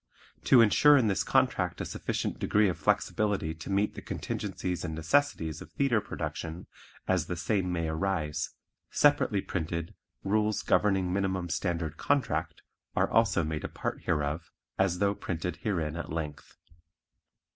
To insure in this contract a sufficient degree of flexibility to meet the contingencies and necessities of theatre production as the same may arise, separately printed "Rules Governing Minimum Standard Contract" are also made a part hereof as though printed herein at length.